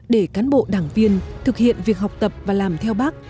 để cán bộ đảng viên thực hiện việc học tập và làm theo bác